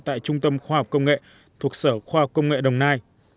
tại trung tâm khoa học công nghệ thuộc sở khoa học công nghệ đồng nai